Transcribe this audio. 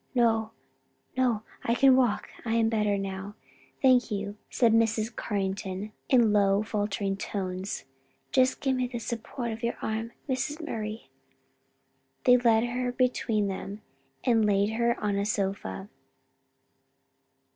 "No, no, I can walk: I am better now, thank you," said Mrs. Carrington, in low, faltering tones, "Just give me the support of your arm, Mrs. Murray." They led her in between them, and laid her on a sofa.